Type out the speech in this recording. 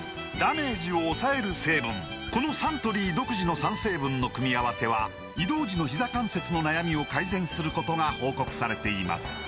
このサントリー独自の３成分の組み合わせは移動時のひざ関節の悩みを改善することが報告されています